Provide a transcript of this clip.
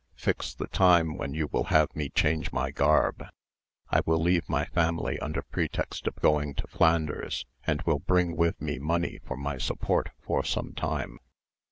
Fix the time when you will have me change my garb. I will leave my family under pretext of going to Flanders, and will bring with me money for my support for some time.